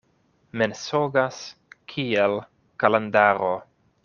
Mensogas kiel kalendaro.